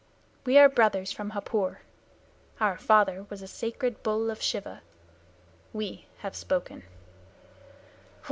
We are brothers from Hapur. Our father was a sacred bull of Shiva. We have spoken."